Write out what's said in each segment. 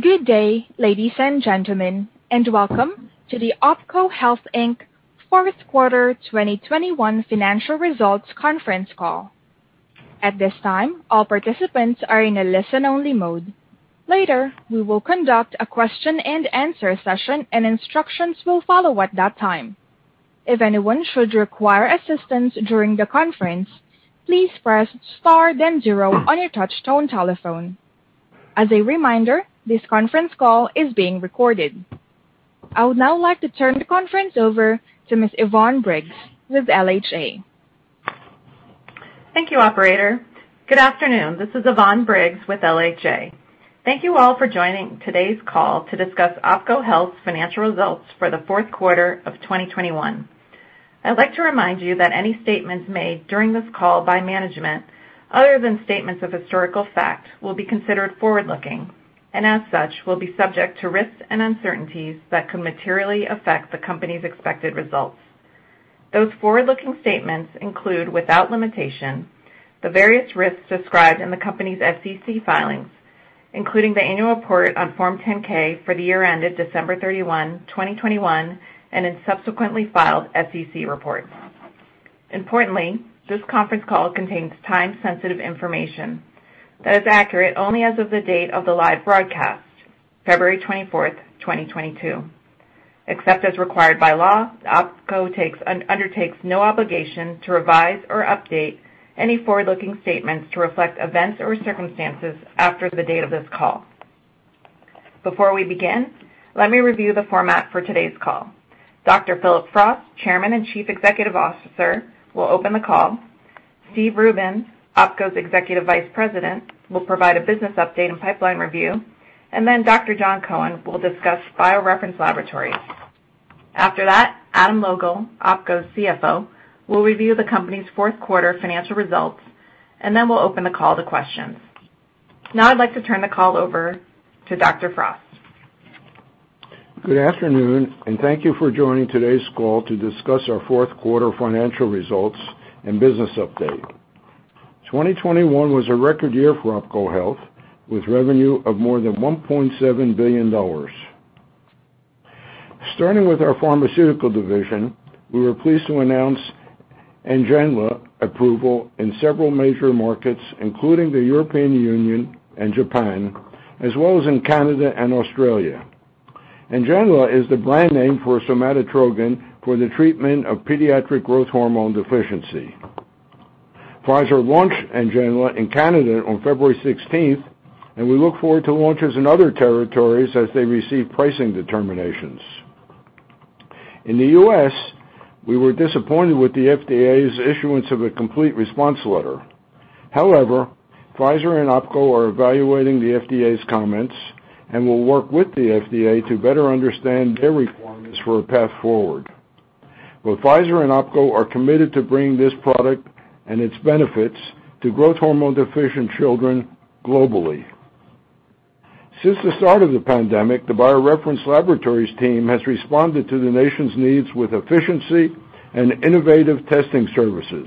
Good day, ladies and gentlemen, and welcome to the OPKO Health, Inc. Fourth Quarter 2021 Financial Results Conference Call. At this time, all participants are in a listen-only mode. Later, we will conduct a question and answer session, and instructions will follow at that time. If anyone should require assistance during the conference, please press star then zero on your touchtone telephone. As a reminder, this conference call is being recorded. I would now like to turn the conference over to Ms. Yvonne Briggs with LHA. Thank you, operator. Good afternoon. This is Yvonne Briggs with LHA. Thank you all for joining today's call to discuss OPKO Health's financial results for the fourth quarter of 2021. I'd like to remind you that any statements made during this call by management, other than statements of historical fact, will be considered forward-looking and, as such, will be subject to risks and uncertainties that could materially affect the company's expected results. Those forward-looking statements include, without limitation, the various risks described in the company's SEC filings, including the annual report on Form 10-K for the year ended December 31, 2021, and in subsequently filed SEC reports. Importantly, this conference call contains time-sensitive information that is accurate only as of the date of the live broadcast, February 24, 2022. Except as required by law, OPKO undertakes no obligation to revise or update any forward-looking statements to reflect events or circumstances after the date of this call. Before we begin, let me review the format for today's call. Dr. Philip Frost, Chairman and Chief Executive Officer, will open the call. Steve Rubin, OPKO's Executive Vice President, will provide a business update and pipeline review, and then Dr. Jon Cohen will discuss BioReference Laboratories. After that, Adam Logal, OPKO's CFO, will review the company's fourth quarter financial results, and then we'll open the call to questions. Now I'd like to turn the call over to Dr. Frost. Good afternoon, and thank you for joining today's call to discuss our fourth quarter financial results and business update. 2021 was a record year for OPKO Health, with revenue of more than $1.7 billion. Starting with our pharmaceutical division, we were pleased to announce NGENLA approval in several major markets, including the European Union and Japan, as well as in Canada and Australia. NGENLA is the brand name for somatrogon for the treatment of pediatric growth hormone deficiency. Pfizer launched NGENLA in Canada on February 16, and we look forward to launches in other territories as they receive pricing determinations. In the U.S., we were disappointed with the FDA's issuance of a complete response letter. However, Pfizer and OPKO are evaluating the FDA's comments and will work with the FDA to better understand their requirements for a path forward. Both Pfizer and OPKO are committed to bringing this product and its benefits to growth hormone-deficient children globally. Since the start of the pandemic, the BioReference Laboratories team has responded to the nation's needs with efficiency and innovative testing services.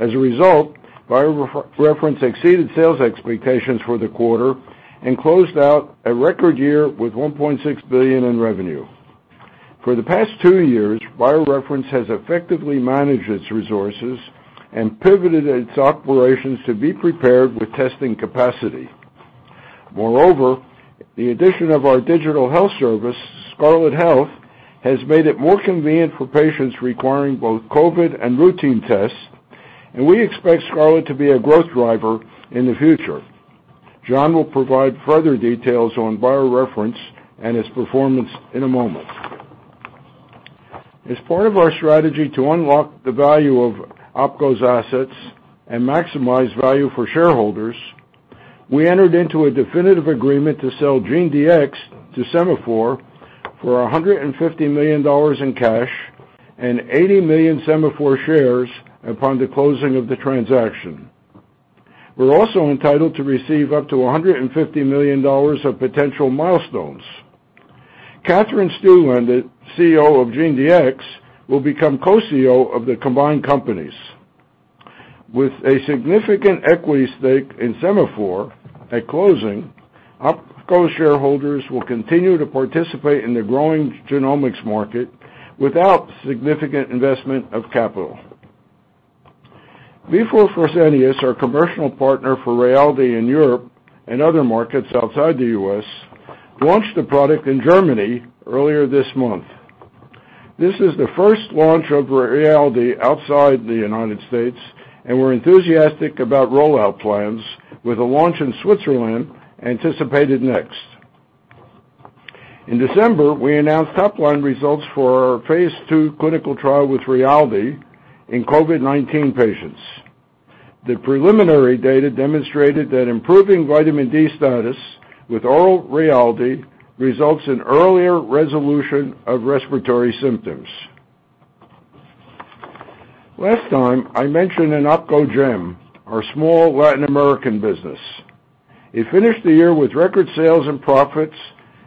As a result, BioReference exceeded sales expectations for the quarter and closed out a record year with $1.6 billion in revenue. For the past two years, BioReference has effectively managed its resources and pivoted its operations to be prepared with testing capacity. Moreover, the addition of our digital health service, Scarlet Health, has made it more convenient for patients requiring both COVID and routine tests, and we expect Scarlet to be a growth driver in the future. John will provide further details on BioReference and its performance in a moment. As part of our strategy to unlock the value of OPKO's assets and maximize value for shareholders, we entered into a definitive agreement to sell GeneDx to Sema4 for $150 million in cash and 80 million Sema4 shares upon the closing of the transaction. We're also entitled to receive up to $150 million of potential milestones. Katherine Stueland, the CEO of GeneDx, will become co-CEO of the combined companies. With a significant equity stake in Sema4 at closing, OPKO shareholders will continue to participate in the growing genomics market without significant investment of capital. Vifor Fresenius, our commercial partner for Rayaldee in Europe and other markets outside the U.S., launched the product in Germany earlier this month. This is the first launch of Rayaldee outside the United States, and we're enthusiastic about rollout plans, with a launch in Switzerland anticipated next. In December, we announced top-line results for our phase II clinical trial with Rayaldee in COVID-19 patients. The preliminary data demonstrated that improving vitamin D status with oral Rayaldee results in earlier resolution of respiratory symptoms. Last time, I mentioned an OPKO gem, our small Latin American business. It finished the year with record sales and profits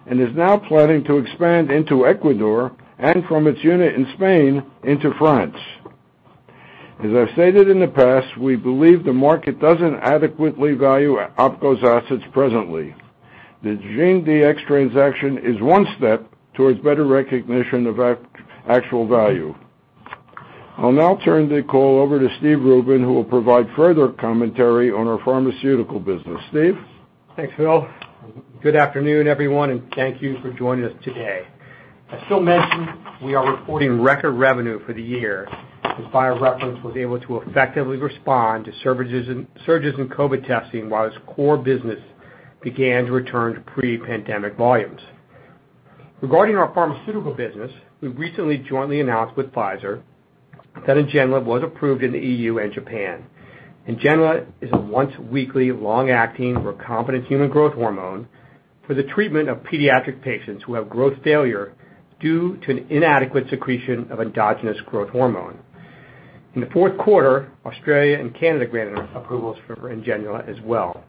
and is now planning to expand into Ecuador and from its unit in Spain into France. As I've stated in the past, we believe the market doesn't adequately value OPKO's assets presently. The GeneDx transaction is one step towards better recognition of actual value. I'll now turn the call over to Steve Rubin, who will provide further commentary on our pharmaceutical business. Steve? Thanks, Phil. Good afternoon, everyone, and thank you for joining us today. As Phil mentioned, we are reporting record revenue for the year, as BioReference was able to effectively respond to surges in COVID testing while its core business began to return to pre-pandemic volumes. Regarding our pharmaceutical business, we recently jointly announced with Pfizer that NGENLA was approved in the EU and Japan. NGENLA is a once-weekly long-acting recombinant human growth hormone for the treatment of pediatric patients who have growth failure due to an inadequate secretion of endogenous growth hormone. In the fourth quarter, Australia and Canada granted approvals for NGENLA as well.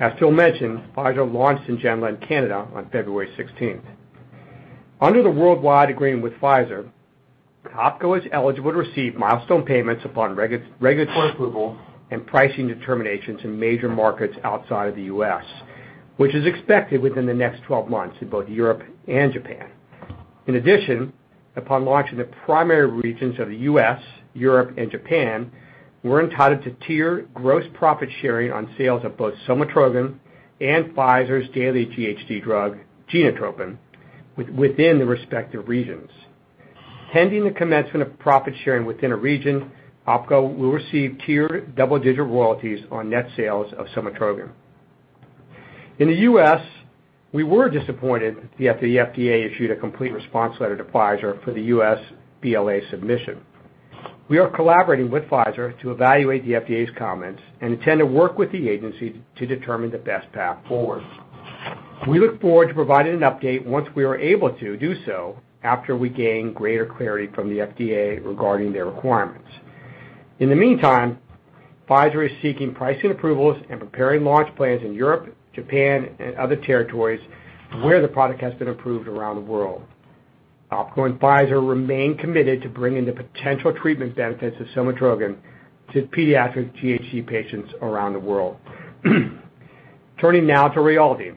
As Phil mentioned, Pfizer launched NGENLA in Canada on February sixteenth. Under the worldwide agreement with Pfizer, OPKO is eligible to receive milestone payments upon regulatory approval and pricing determinations in major markets outside of the U.S., which is expected within the next 12 months in both Europe and Japan. In addition, upon launch in the primary regions of the U.S., Europe, and Japan, we're entitled to tier gross profit sharing on sales of both somatrogon and Pfizer's daily GHD drug, Genotropin, within the respective regions. Pending the commencement of profit sharing within a region, OPKO will receive tier double-digit royalties on net sales of somatrogon. In the U.S., we were disappointed that the FDA issued a complete response letter to Pfizer for the U.S. BLA submission. We are collaborating with Pfizer to evaluate the FDA's comments and intend to work with the agency to determine the best path forward. We look forward to providing an update once we are able to do so after we gain greater clarity from the FDA regarding their requirements. In the meantime, Pfizer is seeking pricing approvals and preparing launch plans in Europe, Japan, and other territories where the product has been approved around the world. OPKO and Pfizer remain committed to bringing the potential treatment benefits of somatrogon to pediatric GHD patients around the world. Turning now to Rayaldee,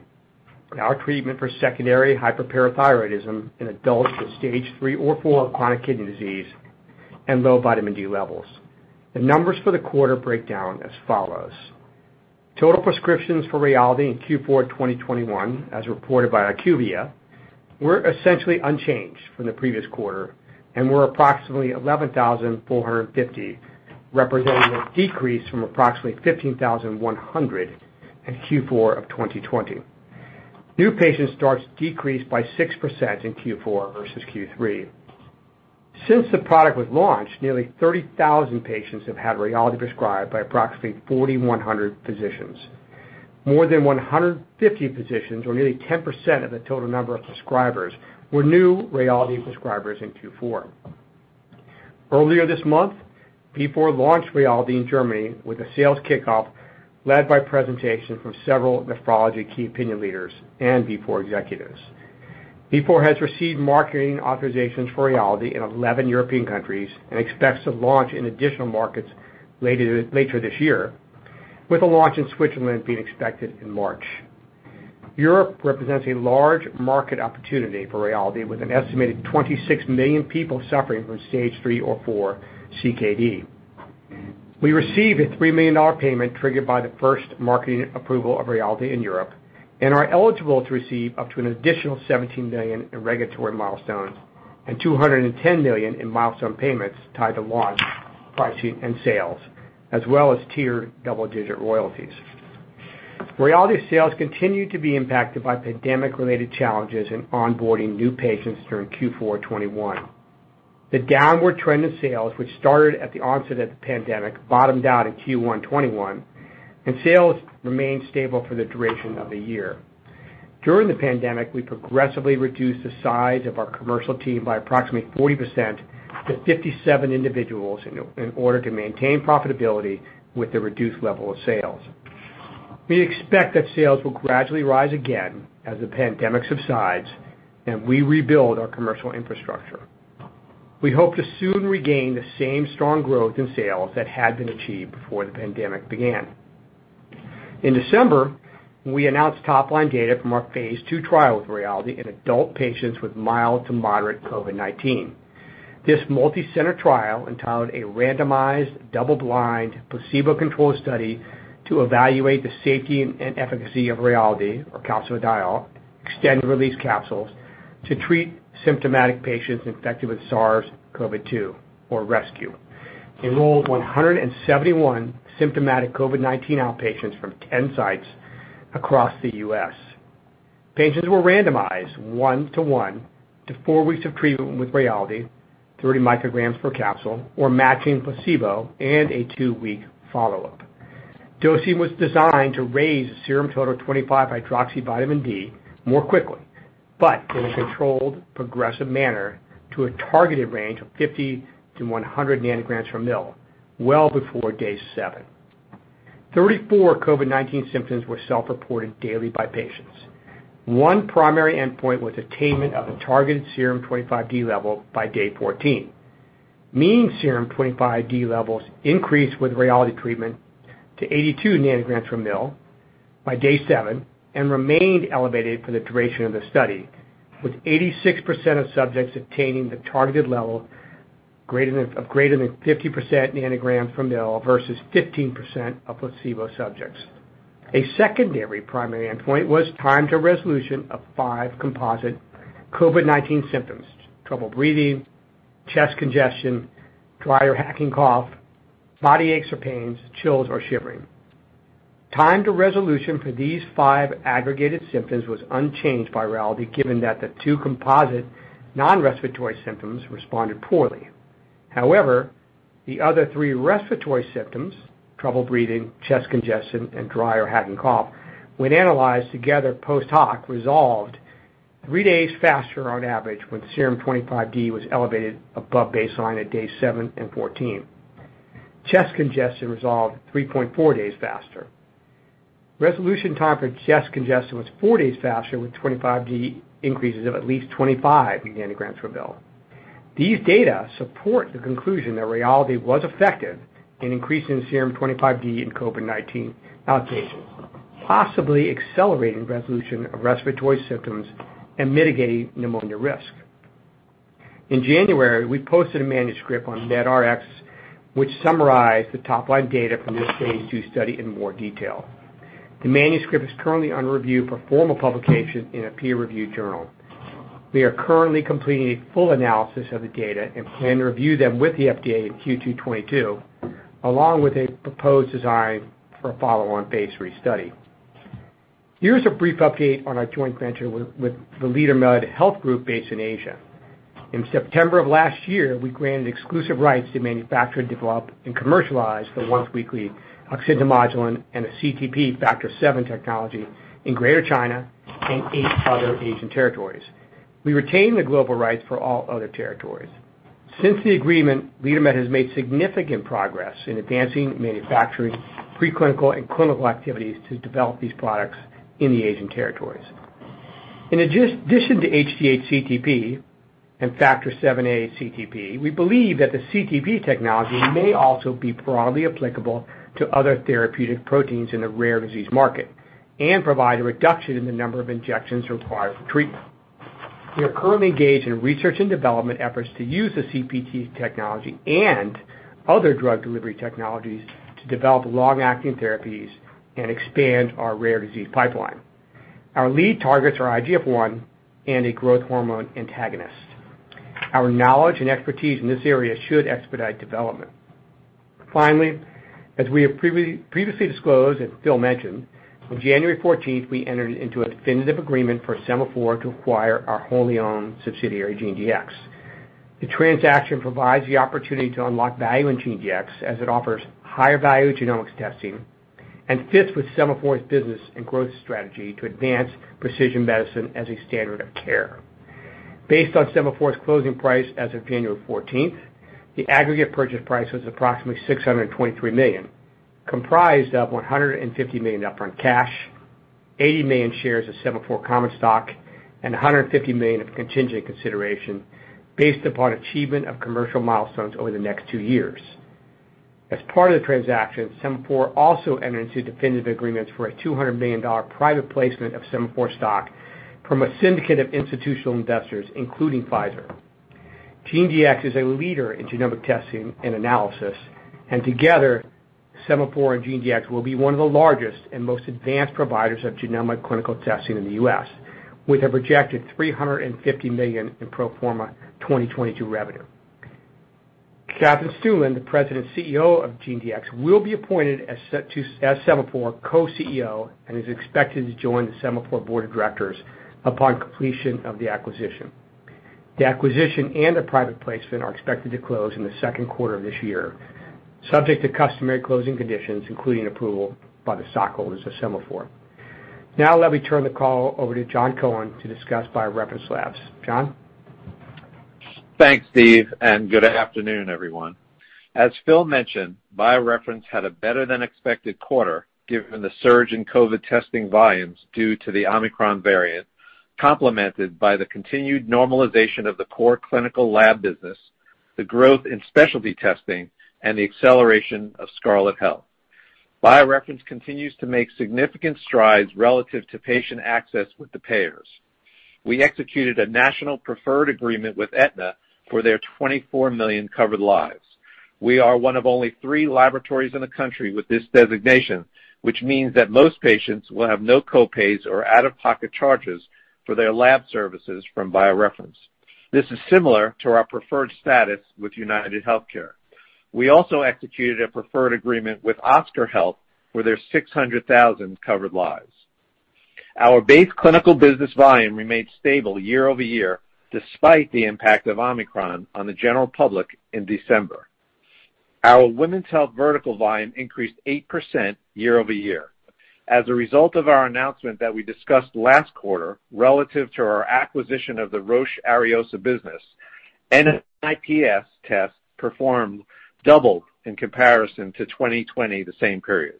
our treatment for secondary hyperparathyroidism in adults with stage three or four chronic kidney disease and low vitamin D levels. The numbers for the quarter break down as follows. Total prescriptions for Rayaldee in Q4 2021, as reported by IQVIA, were essentially unchanged from the previous quarter and were approximately 11,450, representing a decrease from approximately 15,100 in Q4 of 2020. New patient starts decreased by 6% in Q4 versus Q3. Since the product was launched, nearly 30,000 patients have had Rayaldee prescribed by approximately 4,100 physicians. More than 150 physicians or nearly 10% of the total number of prescribers were new Rayaldee prescribers in Q4. Earlier this month, Vifor launched Rayaldee in Germany with a sales kickoff led by presentation from several nephrology key opinion leaders and Vifor executives. Vifor has received marketing authorizations for Rayaldee in 11 European countries and expects to launch in additional markets later this year, with a launch in Switzerland being expected in March. Europe represents a large market opportunity for Rayaldee, with an estimated 26 million people suffering from stage three or four CKD. We received a $3 million payment triggered by the first marketing approval of Rayaldee in Europe and are eligible to receive up to an additional $17 million in regulatory milestones and $210 million in milestone payments tied to launch, pricing, and sales, as well as tiered double-digit royalties. Rayaldee sales continued to be impacted by pandemic-related challenges in onboarding new patients during Q4 2021. The downward trend in sales, which started at the onset of the pandemic, bottomed out in Q1 2021, and sales remained stable for the duration of the year. During the pandemic, we progressively reduced the size of our commercial team by approximately 40% to 57 individuals in order to maintain profitability with the reduced level of sales. We expect that sales will gradually rise again as the pandemic subsides and we rebuild our commercial infrastructure. We hope to soon regain the same strong growth in sales that had been achieved before the pandemic began. In December, we announced top-line data from our phase II trial with Rayaldee in adult patients with mild to moderate COVID-19. This multi-center trial, entitled A Randomized Double-Blind Placebo-Controlled Study to Evaluate the Safety and Efficacy of Rayaldee or Calcifediol Extended Release Capsules to Treat Symptomatic Patients Infected with SARS-CoV-2 or RESCUE, enrolled 171 symptomatic COVID-19 outpatients from 10 sites across the U.S. Patients were randomized 1:1 to four weeks of treatment with Rayaldee, 30 micrograms per capsule, or matching placebo and a 2-week follow-up. Dosing was designed to raise the serum total 25-hydroxyvitamin D more quickly, but in a controlled progressive manner to a targeted range of 50-100 nanograms per mL well before day 7. 34 COVID-19 symptoms were self-reported daily by patients. One primary endpoint was attainment of the targeted serum 25 D level by day 14. Mean serum 25 D levels increased with Rayaldee treatment to 82 ng/mL by day seven and remained elevated for the duration of the study, with 86% of subjects attaining the targeted level of greater than 50 ng/mL versus 15% of placebo subjects. A secondary endpoint was time to resolution of five composite COVID-19 symptoms, trouble breathing, chest congestion, dry or hacking cough, body aches or pains, chills or shivering. Time to resolution for these five aggregated symptoms was unchanged by Rayaldee given that the two composite non-respiratory symptoms responded poorly. However, the other three respiratory symptoms, trouble breathing, chest congestion, and dry or hacking cough, when analyzed together post hoc, resolved three days faster on average when serum 25 D was elevated above baseline at day seven and 14. Chest congestion resolved 3.4 days faster. Resolution time for chest congestion was four days faster with 25 D increases of at least 25 nanograms per ml. These data support the conclusion that Rayaldee was effective in increasing serum 25 D in COVID-19 outpatients, possibly accelerating resolution of respiratory symptoms and mitigating pneumonia risk. In January, we posted a manuscript on medRxiv, which summarized the top-line data from this phase II study in more detail. The manuscript is currently under review for formal publication in a peer-reviewed journal. We are currently completing a full analysis of the data and plan to review them with the FDA in Q2 2022, along with a proposed design for a follow-on phase III study. Here's a brief update on our joint venture with the LeaderMed Health Group based in Asia. In September of last year, we granted exclusive rights to manufacture, develop, and commercialize the once-weekly oxyntomodulin and the CTP Factor VIIa technology in Greater China and eight other Asian territories. We retain the global rights for all other territories. Since the agreement, LeaderMed has made significant progress in advancing manufacturing, preclinical, and clinical activities to develop these products in the Asian territories. In addition to hGH-CTP and Factor VIIa-CTP, we believe that the CTP technology may also be broadly applicable to other therapeutic proteins in the rare disease market and provide a reduction in the number of injections required for treatment. We are currently engaged in research and development efforts to use the CTP technology and other drug delivery technologies to develop long-acting therapies and expand our rare disease pipeline. Our lead targets are IGF-1 and a growth hormone antagonist. Our knowledge and expertise in this area should expedite development. Finally, as we have previously disclosed and Phil mentioned, on January fourteenth, we entered into a definitive agreement for Sema4 to acquire our wholly-owned subsidiary GeneDx. The transaction provides the opportunity to unlock value in GeneDx as it offers higher value genomics testing and fits with Sema4's business and growth strategy to advance precision medicine as a standard of care. Based on Sema4's closing price as of January 14th, the aggregate purchase price was approximately $623 million, comprised of $150 million upfront cash, 80 million shares of Sema4 common stock, and $150 million of contingent consideration based upon achievement of commercial milestones over the next two years. As part of the transaction, Sema4 also entered into definitive agreements for a $200 million private placement of Sema4 stock from a syndicate of institutional investors, including Pfizer. GeneDx is a leader in genomic testing and analysis, and together, Sema4 and GeneDx will be one of the largest and most advanced providers of genomic clinical testing in the U.S., with a projected $350 million in pro forma 2022 revenue. Katherine Stueland, the President and CEO of GeneDx, will be appointed as Sema4 co-CEO and is expected to join the Sema4 board of directors upon completion of the acquisition. The acquisition and the private placement are expected to close in the second quarter of this year, subject to customary closing conditions, including approval by the stockholders of Sema4. Now let me turn the call over to Jon Cohen to discuss BioReference Laboratories. John? Thanks, Steve, and good afternoon, everyone. As Phil mentioned, BioReference had a better-than-expected quarter, given the surge in COVID testing volumes due to the Omicron variant, complemented by the continued normalization of the core clinical lab business, the growth in specialty testing, and the acceleration of Scarlet Health. BioReference continues to make significant strides relative to patient access with the payers. We executed a national preferred agreement with Aetna for their 24 million covered lives. We are one of only three laboratories in the country with this designation, which means that most patients will have no co-pays or out-of-pocket charges for their lab services from BioReference. This is similar to our preferred status with UnitedHealthcare. We also executed a preferred agreement with Oscar Health for their 600,000 covered lives. Our base clinical business volume remained stable year over year, despite the impact of Omicron on the general public in December. Our women's health vertical volume increased 8% year over year. As a result of our announcement that we discussed last quarter relative to our acquisition of the Roche Ariosa business, NIPS test performed doubled in comparison to 2020, the same period.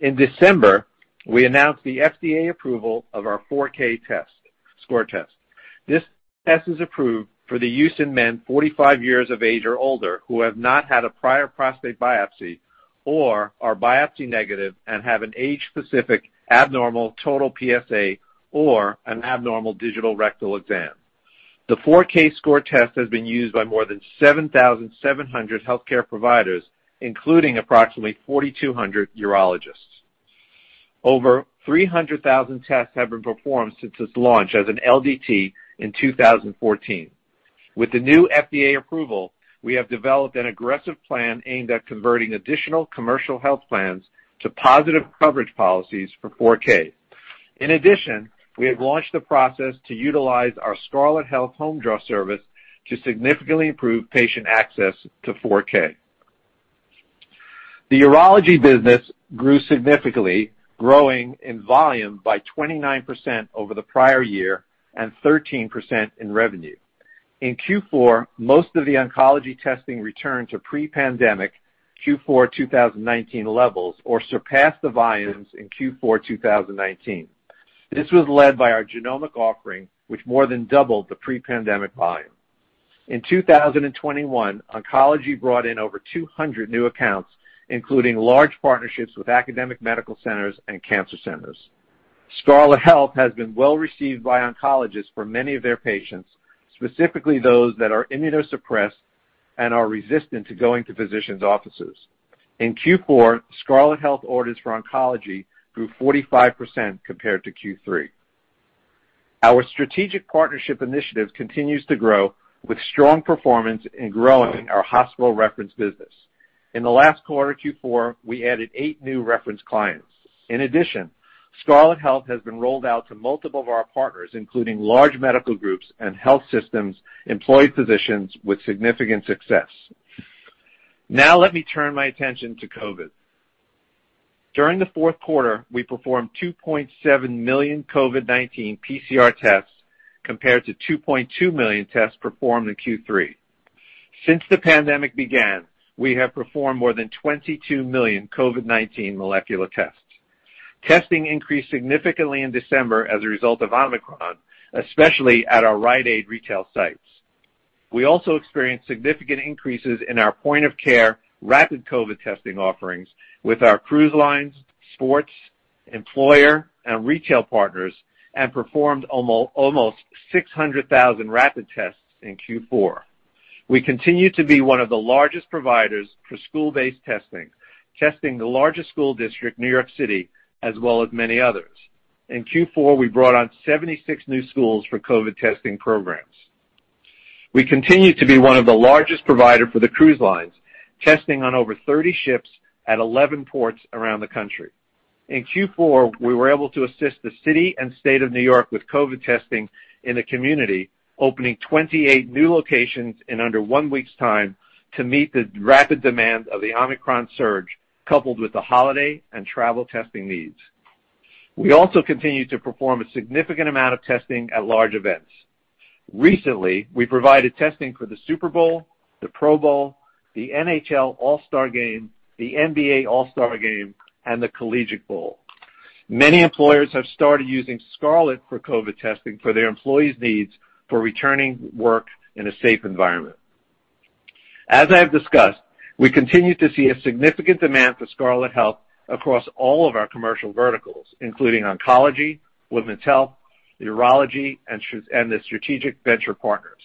In December, we announced the FDA approval of our 4Kscore test. This test is approved for the use in men 45 years of age or older who have not had a prior prostate biopsy or are biopsy negative and have an age-specific abnormal total PSA or an abnormal digital rectal exam. The 4Kscore test has been used by more than 7,700 healthcare providers, including approximately 4,200 urologists. Over 300,000 tests have been performed since its launch as an LDT in 2014. With the new FDA approval, we have developed an aggressive plan aimed at converting additional commercial health plans to positive coverage policies for 4K. In addition, we have launched the process to utilize our Scarlet Health home draw service to significantly improve patient access to 4K. The urology business grew significantly, growing in volume by 29% over the prior year and 13% in revenue. In Q4, most of the oncology testing returned to pre-pandemic Q4 2019 levels or surpassed the volumes in Q4 2019. This was led by our genomic offering, which more than doubled the pre-pandemic volume. In 2021, oncology brought in over 200 new accounts, including large partnerships with academic medical centers and cancer centers. Scarlet Health has been well received by oncologists for many of their patients, specifically those that are immunosuppressed and are resistant to going to physicians' offices. In Q4, Scarlet Health orders for oncology grew 45% compared to Q3. Our strategic partnership initiative continues to grow with strong performance in growing our hospital reference business. In the last quarter, Q4, we added eight new reference clients. In addition, Scarlet Health has been rolled out to multiple of our partners, including large medical groups and health systems, employed physicians with significant success. Now let me turn my attention to COVID. During the fourth quarter, we performed 2.7 million COVID-19 PCR tests compared to 2.2 million tests performed in Q3. Since the pandemic began, we have performed more than 22 million COVID-19 molecular tests. Testing increased significantly in December as a result of Omicron, especially at our Rite Aid retail sites. We also experienced significant increases in our point of care rapid COVID testing offerings with our cruise lines, sports, employer, and retail partners, and performed almost 600,000 rapid tests in Q4. We continue to be one of the largest providers for school-based testing the largest school district, New York City, as well as many others. In Q4, we brought on 76 new schools for COVID testing programs. We continue to be one of the largest providers for the cruise lines, testing on over 30 ships at 11 ports around the country. In Q4, we were able to assist the city and state of New York with COVID testing in the community, opening 28 new locations in under one week's time to meet the rapid demand of the Omicron surge, coupled with the holiday and travel testing needs. We also continue to perform a significant amount of testing at large events. Recently, we provided testing for the Super Bowl, the Pro Bowl, the NHL All-Star Game, the NBA All-Star Game, and the Collegiate Bowl. Many employers have started using Scarlet for COVID testing for their employees' needs for returning work in a safe environment. As I have discussed, we continue to see a significant demand for Scarlet Health across all of our commercial verticals, including oncology, women's health, urology, and the strategic venture partners.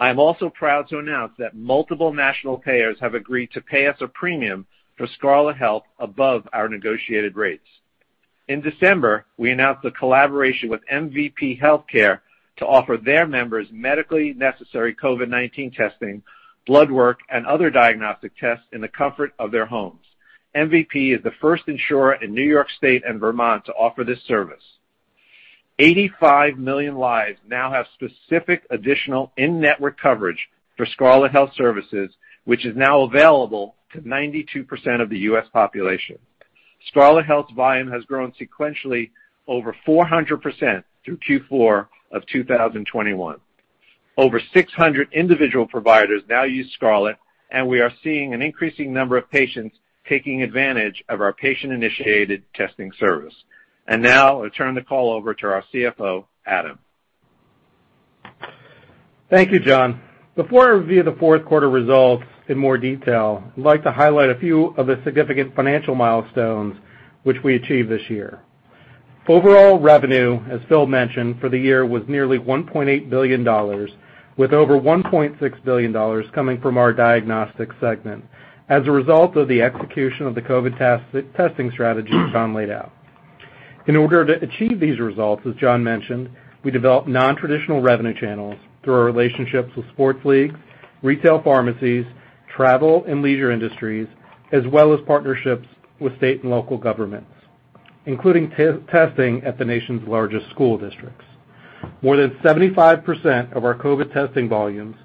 I am also proud to announce that multiple national payers have agreed to pay us a premium for Scarlet Health above our negotiated rates. In December, we announced a collaboration with MVP Health Care to offer their members medically necessary COVID-19 testing, blood work, and other diagnostic tests in the comfort of their homes. MVP Health Care is the first insurer in New York State and Vermont to offer this service. 85 million lives now have specific additional in-network coverage for Scarlet Health Services, which is now available to 92% of the U.S. population. Scarlet Health's volume has grown sequentially over 400% through Q4 of 2021. Over 600 individual providers now use Scarlet, and we are seeing an increasing number of patients taking advantage of our patient-initiated testing service. Now I turn the call over to our CFO, Adam Logal. Thank you, John. Before I review the fourth quarter results in more detail, I'd like to highlight a few of the significant financial milestones which we achieved this year. Overall revenue, as Phil mentioned, for the year was nearly $1.8 billion, with over $1.6 billion coming from our Diagnostics segment as a result of the execution of the COVID testing strategy John laid out. In order to achieve these results, as John mentioned, we developed nontraditional revenue channels through our relationships with sports leagues, retail pharmacies, travel and leisure industries, as well as partnerships with state and local governments, including testing at the nation's largest school districts. More than 75% of our COVID testing volumes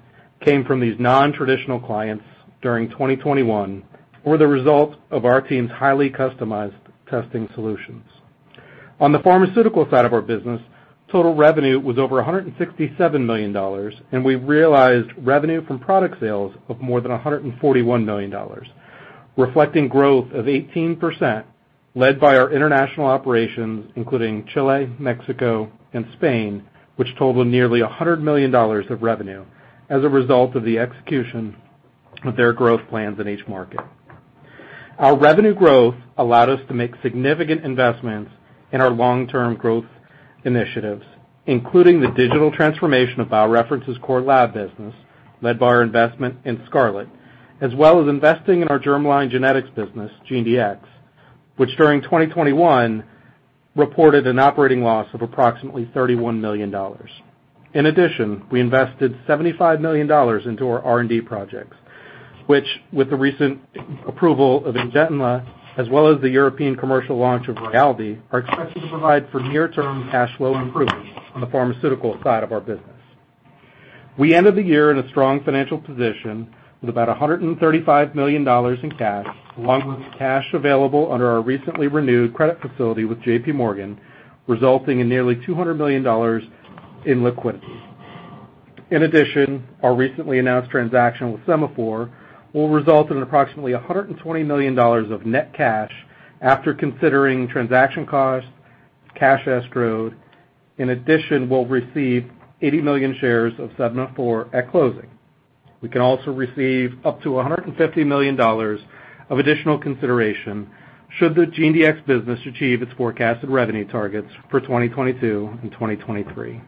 came from these non-traditional clients during 2021 were the result of our team's highly customized testing solutions. On the pharmaceutical side of our business, total revenue was over $167 million, and we realized revenue from product sales of more than $141 million, reflecting growth of 18% led by our international operations, including Chile, Mexico and Spain, which totaled nearly $100 million of revenue as a result of the execution of their growth plans in each market. Our revenue growth allowed us to make significant investments in our long-term growth initiatives, including the digital transformation of BioReference's core lab business led by our investment in Scarlet, as well as investing in our germline genetics business, GeneDx, which during 2021 reported an operating loss of approximately $31 million. In addition, we invested $75 million into our R&D projects, which, with the recent approval of NGENLA as well as the European commercial launch of Rayaldee, are expected to provide for near-term cash flow improvements on the pharmaceutical side of our business. We ended the year in a strong financial position with about $135 million in cash, along with cash available under our recently renewed credit facility with JP Morgan, resulting in nearly $200 million in liquidity. In addition, our recently announced transaction with Sema4 will result in approximately $120 million of net cash after considering transaction costs, cash escrowed. In addition, we'll receive 80 million shares of Sema4 at closing. We can also receive up to $150 million of additional consideration should the GeneDx business achieve its forecasted revenue targets for 2022 and 2023.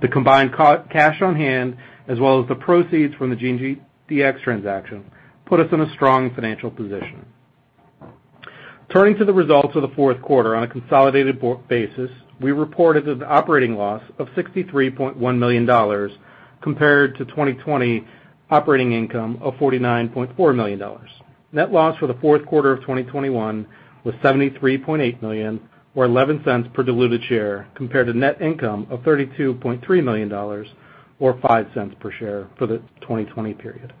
The combined cash on hand as well as the proceeds from the GeneDx transaction put us in a strong financial position. Turning to the results of the fourth quarter on a consolidated basis, we reported an operating loss of $63.1 million compared to 2020 operating income of $49.4 million. Net loss for the fourth quarter of 2021 was $73.8 million or $0.11 per diluted share compared to net income of $32.3 million or $0.05 per share for the 2020 period.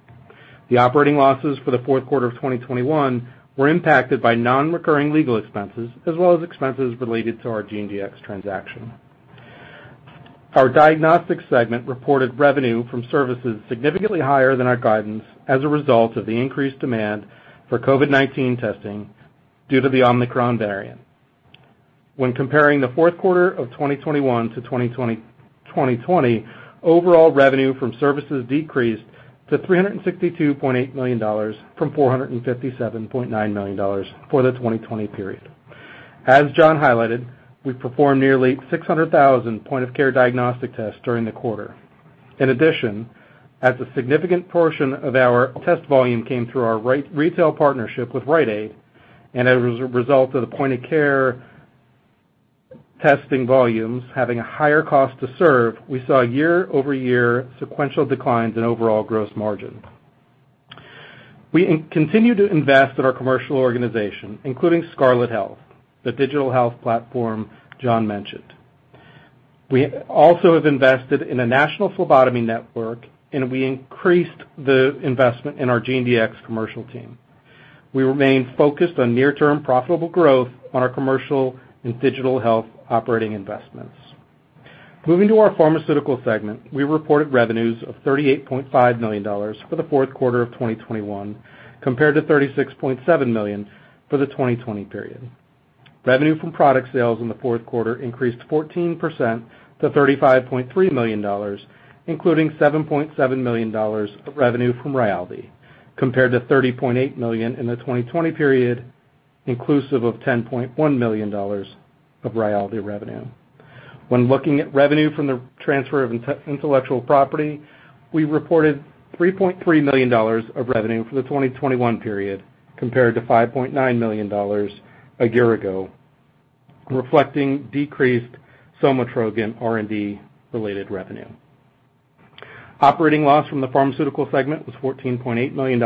The operating losses for the fourth quarter of 2021 were impacted by non-recurring legal expenses as well as expenses related to our GeneDx transaction. Our diagnostics segment reported revenue from services significantly higher than our guidance as a result of the increased demand for COVID-19 testing due to the Omicron variant. When comparing the fourth quarter of 2021 to 2020, overall revenue from services decreased to $362.8 million from $457.9 million for the 2020 period. As John highlighted, we performed nearly 600,000 point-of-care diagnostic tests during the quarter. In addition, as a significant portion of our test volume came through our retail partnership with Rite Aid and as a result of the point-of-care testing volumes having a higher cost to serve, we saw year-over-year sequential declines in overall gross margin. We continue to invest in our commercial organization, including Scarlet Health, the digital health platform John mentioned. We also have invested in a national phlebotomy network, and we increased the investment in our GeneDx commercial team. We remain focused on near-term profitable growth on our commercial and digital health operating investments. Moving to our pharmaceutical segment, we reported revenues of $38.5 million for the fourth quarter of 2021 compared to $36.7 million for the 2020 period. Revenue from product sales in the fourth quarter increased 14% to $35.3 million, including $7.7 million of revenue from Rayaldee, compared to $30.8 million in the 2020 period, inclusive of $10.1 million of Rayaldee revenue. When looking at revenue from the transfer of intellectual property, we reported $3.3 million of revenue for the 2021 period, compared to $5.9 million a year ago, reflecting decreased somatrogon R&D-related revenue. Operating loss from the pharmaceutical segment was $14.8 million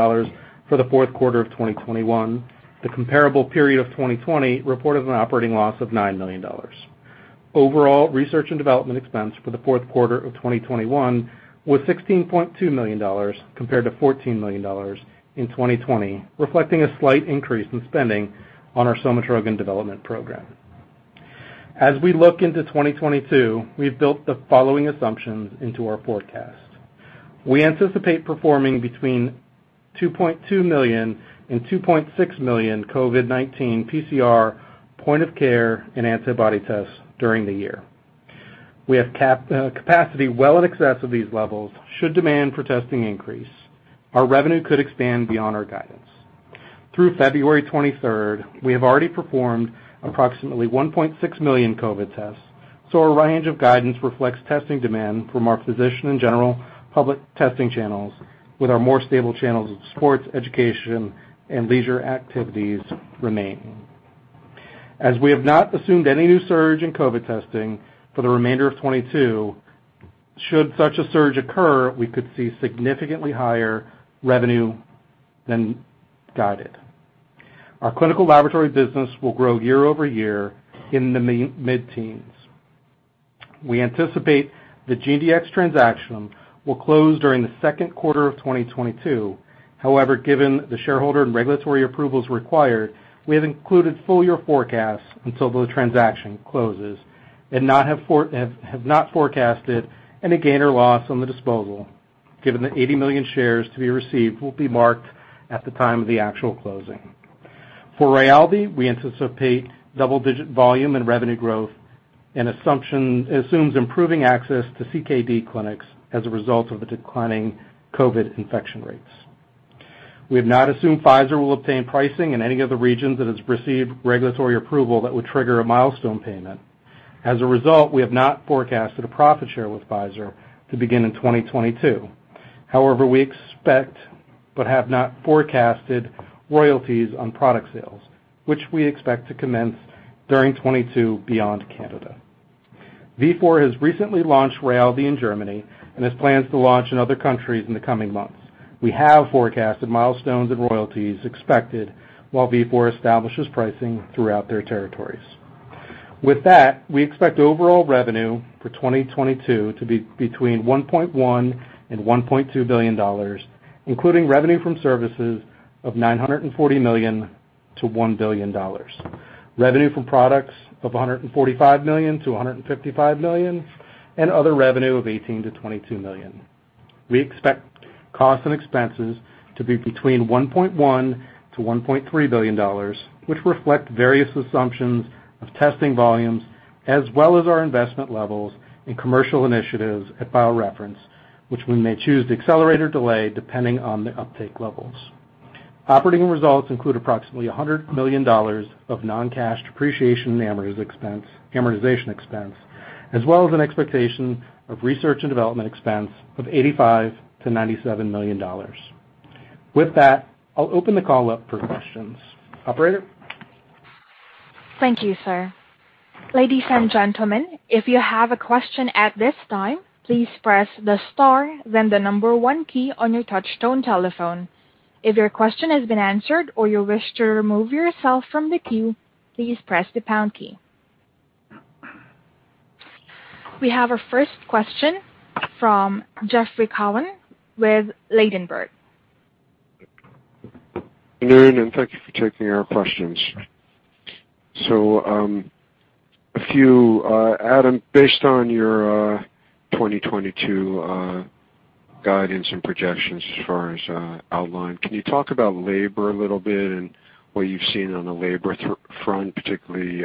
for the fourth quarter of 2021. The comparable period of 2020 reported an operating loss of $9 million. Overall, research and development expense for the fourth quarter of 2021 was $16.2 million compared to $14 million in 2020, reflecting a slight increase in spending on our somatrogon development program. As we look into 2022, we've built the following assumptions into our forecast. We anticipate performing between 2.2 million and 2.6 million COVID-19 PCR, point of care, and antibody tests during the year. We have capacity well in excess of these levels should demand for testing increase. Our revenue could expand beyond our guidance. Through February 23, we have already performed approximately 1.6 million COVID tests, so our range of guidance reflects testing demand from our physician and general public testing channels with our more stable channels of sports, education, and leisure activities remaining. As we have not assumed any new surge in COVID testing for the remainder of 2022, should such a surge occur, we could see significantly higher revenue than guided. Our clinical laboratory business will grow year-over-year in the mid-teens. We anticipate the GeneDx transaction will close during the second quarter of 2022. However, given the shareholder and regulatory approvals required, we have included full year forecasts until the transaction closes and have not forecasted any gain or loss on the disposal, given the 80 million shares to be received will be marked at the time of the actual closing. For Rayaldee, we anticipate double-digit volume and revenue growth, and assumes improving access to CKD clinics as a result of the declining COVID infection rates. We have not assumed Pfizer will obtain pricing in any of the regions that has received regulatory approval that would trigger a milestone payment. As a result, we have not forecasted a profit share with Pfizer to begin in 2022. However, we expect, but have not forecasted royalties on product sales, which we expect to commence during 2022 beyond Canada. Vifor has recently launched Rayaldee in Germany and has plans to launch in other countries in the coming months. We have forecasted milestones and royalties expected while Vifor establishes pricing throughout their territories. With that, we expect overall revenue for 2022 to be between $1.1 billion-$1.2 billion, including revenue from services of $940 million-$1 billion, revenue from products of $145 million-$155 million, and other revenue of $18 million-$22 million. We expect costs and expenses to be between $1.1 billion-$1.3 billion, which reflect various assumptions of testing volumes as well as our investment levels and commercial initiatives at BioReference, which we may choose to accelerate or delay depending on the uptake levels. Operating results include approximately $100 million of non-cash depreciation and amortization expense, as well as an expectation of research and development expense of $85 million-$97 million. With that, I'll open the call up for questions. Operator? Thank you sir. Ladies and gentlemen, if you have a question at this time, please press the star then the number one key on your touchtone telephone. If your question has been answered or you wish to remove yourself from the queue, please press the pound key. We have our first question from Jeffrey Cohen with Ladenburg. Good afternoon, and thank you for taking our questions. Adam, based on your 2022 guidance and projections as far as outlined, can you talk about labor a little bit and what you've seen on the labor front, particularly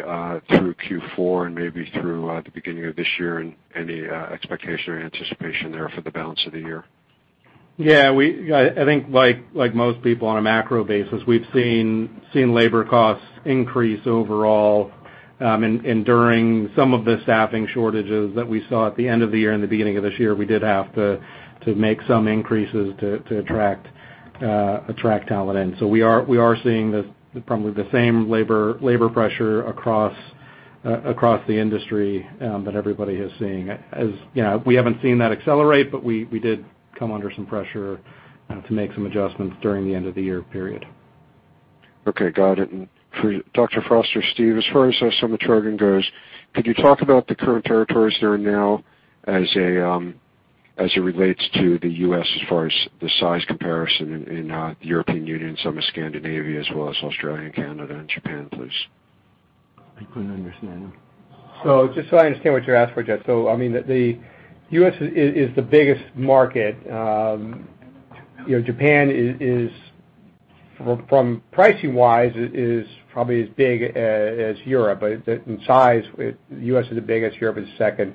through Q4 and maybe through the beginning of this year and any expectation or anticipation there for the balance of the year? Yeah, I think like most people on a macro basis, we've seen labor costs increase overall, and during some of the staffing shortages that we saw at the end of the year and the beginning of this year, we did have to make some increases to attract talent in. So we are seeing probably the same labor pressure across the industry that everybody is seeing. As you know, we haven't seen that accelerate, but we did come under some pressure to make some adjustments during the end of the year period. Okay. Got it. For Dr. Frost, Steve, as far as somatrogon goes, could you talk about the current territories that are now as a, as it relates to the U.S. as far as the size comparison in the European Union, some of Scandinavia as well as Australia, Canada and Japan, please? I couldn't understand. Just so I understand what you're asking for, Jeff. I mean, the U.S. is the biggest market. You know, Japan is... Pricing wise is probably as big as Europe, but in size, U.S. is the biggest, Europe is second,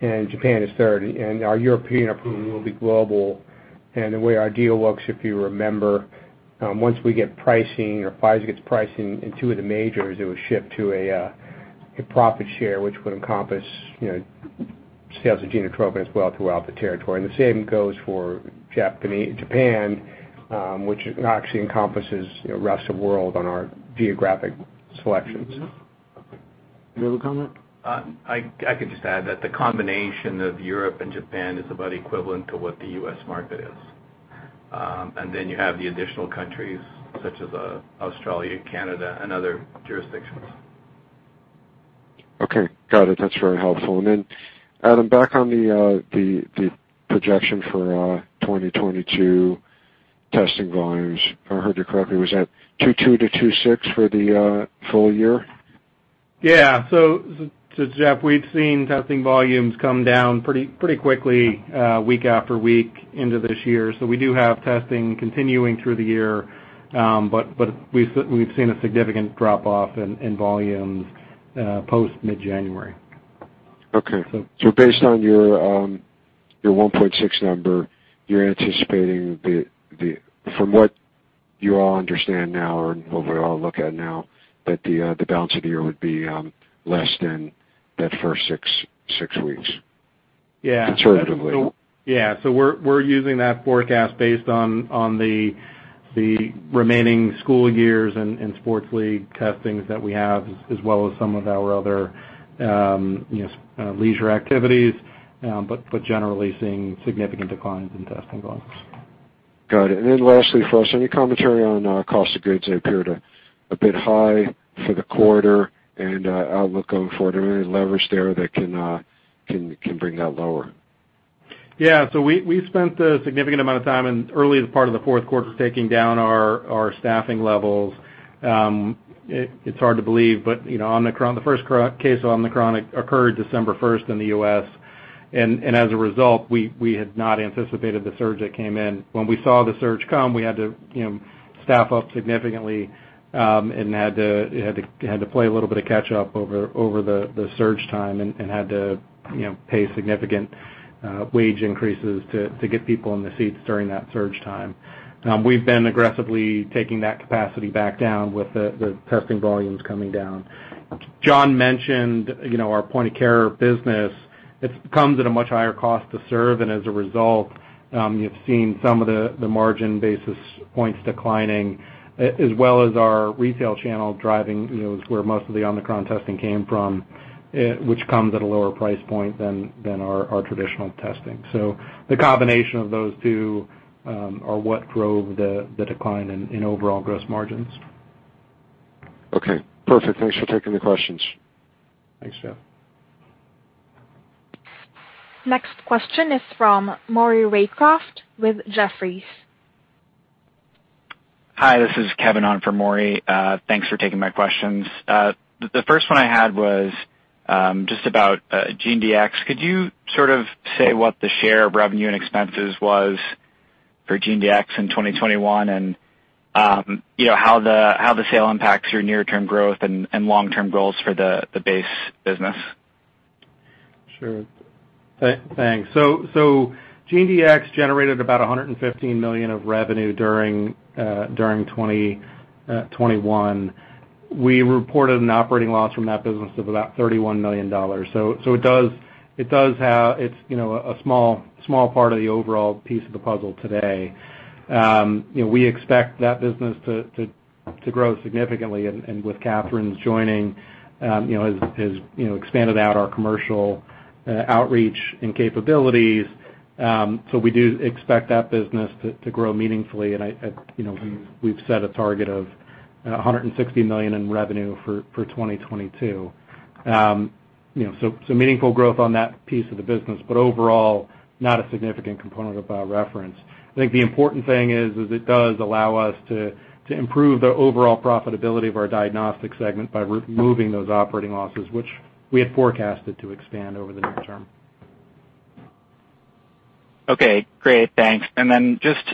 and Japan is third. Our European approval will be global. The way our deal works, if you remember, once we get pricing or Pfizer gets pricing in two of the majors, it will shift to a profit share, which would encompass, you know, sales of Genotropin as well throughout the territory. The same goes for Japan, which actually encompasses, you know, rest of world on our geographic selections. You have a comment? I could just add that the combination of Europe and Japan is about equivalent to what the U.S. market is. You have the additional countries such as Australia, Canada, and other jurisdictions. Okay. Got it. That's very helpful. Adam, back on the projection for 2022 testing volumes. If I heard you correctly, was that 22-26 for the full year? Yeah. Jeff, we've seen testing volumes come down pretty quickly week after week into this year. We do have testing continuing through the year, but we've seen a significant drop off in volumes post mid-January. Based on your 1.6 number, you're anticipating, from what you all understand now and what we all look at now, that the balance of the year would be less than that first six weeks? Yeah. Conservatively. Yeah, we're using that forecast based on the remaining school years and sports league testings that we have, as well as some of our other, you know, leisure activities, but generally seeing significant declines in testing volumes. Got it. Lastly for us, any commentary on cost of goods? They appeared a bit high for the quarter and outlook going forward. Any leverage there that can bring that lower? Yeah. We spent a significant amount of time in early as part of the fourth quarter taking down our staffing levels. It's hard to believe, but you know, Omicron, the first case of Omicron occurred December 1 in the U.S., and as a result, we had not anticipated the surge that came in. When we saw the surge come, we had to you know, staff up significantly, and had to play a little bit of catch up over the surge time and had to you know, pay significant wage increases to get people in the seats during that surge time. We've been aggressively taking that capacity back down with the testing volumes coming down. John mentioned, you know, our point of care business, it comes at a much higher cost to serve, and as a result, you've seen some of the margin basis points declining as well as our retail channel driving, you know, is where most of the Omicron testing came from, which comes at a lower price point than our traditional testing. The combination of those two are what drove the decline in overall gross margins. Okay. Perfect. Thanks for taking the questions. Thanks, Phil. Next question is from Maury Raycroft with Jefferies. Hi, this is Kevin on for Maury. Thanks for taking my questions. The first one I had was just about GeneDx. Could you sort of say what the share of revenue and expenses was for GeneDx in 2021 and you know how the sale impacts your near-term growth and long-term goals for the base business? Thanks. GeneDx generated about $115 million of revenue during 2021. We reported an operating loss from that business of about $31 million. It does have. It's, you know, a small part of the overall piece of the puzzle today. You know, we expect that business to grow significantly and with Catherine's joining, you know, has expanded out our commercial outreach and capabilities. We do expect that business to grow meaningfully and I, you know, we've set a target of $160 million in revenue for 2022. You know, meaningful growth on that piece of the business, but overall, not a significant component of our reference. I think the important thing is it does allow us to improve the overall profitability of our diagnostic segment by removing those operating losses, which we had forecasted to expand over the near term. Okay. Great. Thanks. Just,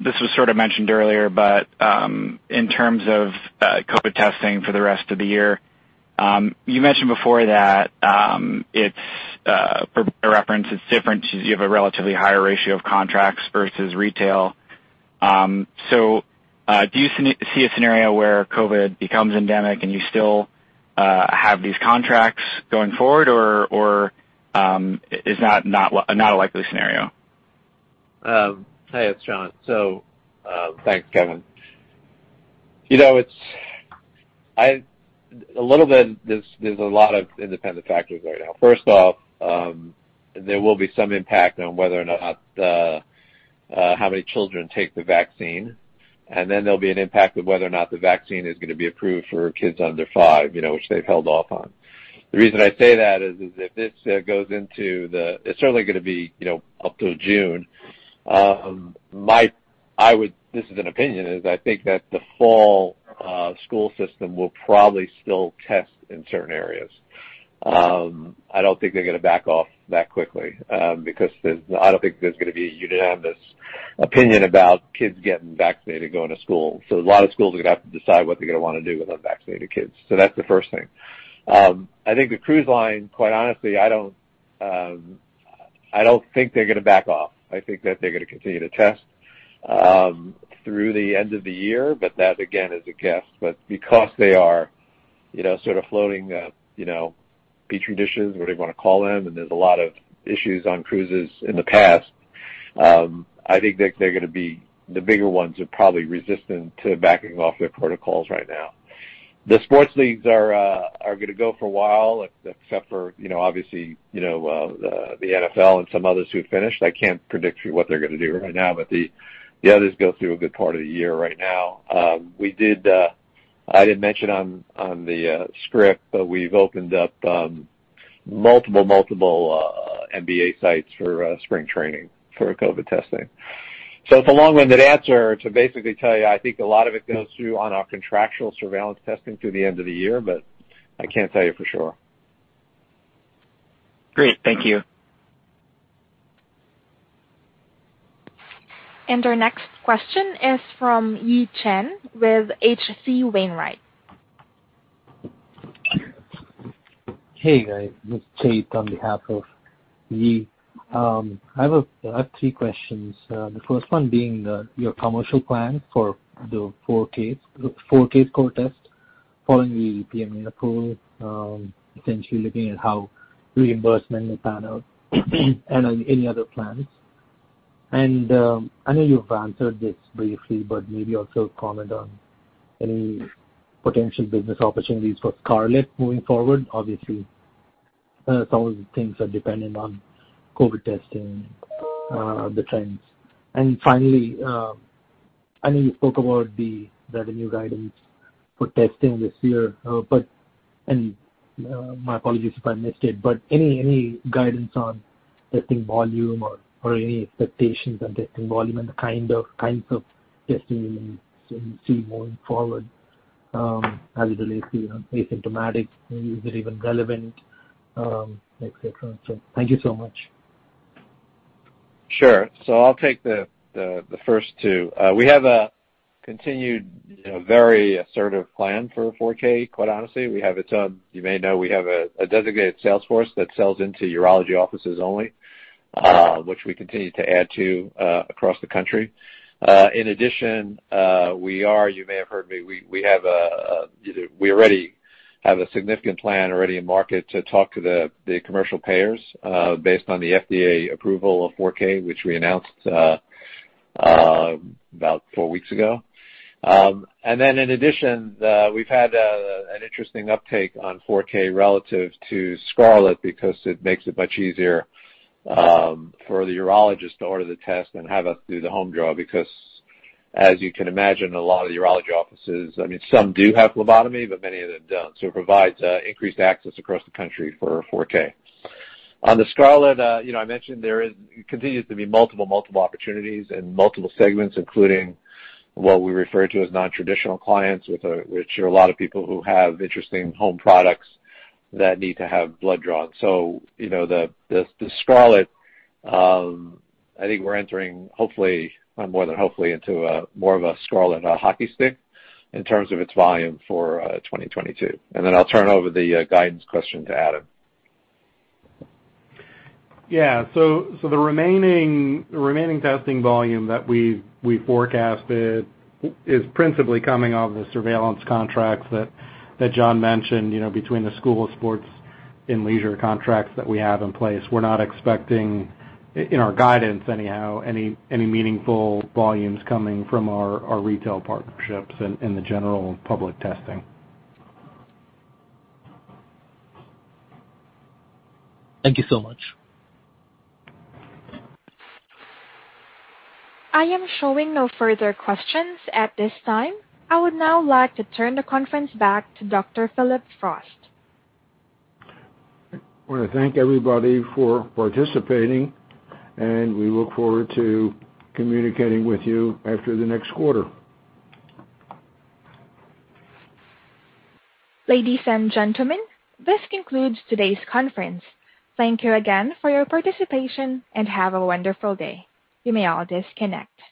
this was sort of mentioned earlier, but, in terms of, COVID testing for the rest of the year, you mentioned before that, it's, for reference, it's different. You have a relatively higher ratio of contracts versus retail. Do you see a scenario where COVID becomes endemic and you still have these contracts going forward or is not a likely scenario? Hey, it's John. Thanks, Kevin. It's a little bit, there's a lot of independent factors right now. First off, there will be some impact on whether or not how many children take the vaccine, and then there'll be an impact of whether or not the vaccine is gonna be approved for kids under five, you know, which they've held off on. The reason I say that is if this goes into the. It's certainly gonna be, you know, up till June. This is an opinion, I think that the fall school system will probably still test in certain areas. I don't think they're gonna back off that quickly, because I don't think there's gonna be a unanimous opinion about kids getting vaccinated going to school. A lot of schools are gonna have to decide what they're gonna wanna do with unvaccinated kids. That's the first thing. I think the cruise line, quite honestly, I don't think they're gonna back off. I think that they're gonna continue to test through the end of the year, but that again is a guess. Because they are, you know, sort of floating, you know, Petri dishes, whatever you wanna call them, and there's a lot of issues on cruises in the past, I think they're gonna be the bigger ones are probably resistant to backing off their protocols right now. The sports leagues are gonna go for a while, except for, you know, obviously, you know, the NFL and some others who have finished. I can't predict for you what they're gonna do right now, but the others go through a good part of the year right now. We did. I didn't mention on the script, but we've opened up multiple MLB sites for spring training for COVID testing. So it's a long-winded answer to basically tell you, I think a lot of it goes through on our contractual surveillance testing through the end of the year, but I can't tell you for sure. Great. Thank you. Our next question is from Yi Chen with H.C. Wainwright. Hey, guys. This is Chase on behalf of Yi. I have three questions. The first one being your commercial plan for the 4Kscore, the 4Kscore Test following the PMA approval, essentially looking at how reimbursement will pan out and any other plans. I know you've answered this briefly, but maybe also comment on any potential business opportunities for Scarlet moving forward, obviously some of the things are dependent on COVID testing, the trends. Finally, I know you spoke about the revenue guidance for testing this year, but my apologies if I missed it, but any guidance on testing volume or any expectations on testing volume and the kinds of testing you see moving forward as it relates to, you know, asymptomatic, is it even relevant? Et cetera. Thank you so much. Sure. I'll take the first two. We have a continued, you know, very assertive plan for 4Kscore, quite honestly. We have it, you may know, we have a designated sales force that sells into urology offices only, which we continue to add to, across the country. In addition, we are, you may have heard me, we have, we already have a significant plan already in market to talk to the commercial payers, based on the FDA approval of 4Kscore, which we announced, about four weeks ago. In addition, we've had an interesting uptake on 4Kscore relative to Scarlet because it makes it much easier for the urologist to order the test and have us do the home draw, because as you can imagine, a lot of urology offices, I mean, some do have phlebotomy, but many of them don't. It provides increased access across the country for 4Kscore. On the Scarlet, you know, I mentioned there continues to be multiple opportunities and multiple segments, including what we refer to as non-traditional clients with which are a lot of people who have interesting home products that need to have blood drawn. You know, the Scarlet, I think we're entering hopefully, more than hopefully, into more of a Scarlet hockey stick in terms of its volume for 2022. Then I'll turn over the guidance question to Adam. Yeah, the remaining testing volume that we've forecasted is principally coming off the surveillance contracts that John mentioned, you know, between the school sports and leisure contracts that we have in place. We're not expecting in our guidance anyhow any meaningful volumes coming from our retail partnerships and the general public testing. Thank you so much. I am showing no further questions at this time. I would now like to turn the conference back to Dr. Phillip Frost. I wanna thank everybody for participating, and we look forward to communicating with you after the next quarter. Ladies and gentlemen, this concludes today's conference. Thank you again for your participation, and have a wonderful day. You may all disconnect.